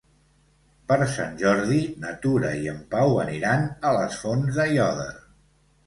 Per Sant Jordi na Tura i en Pau aniran a les Fonts d'Aiòder.